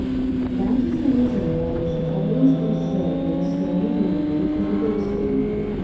That is the reason why you should always be sure that a story you repeat is a good story.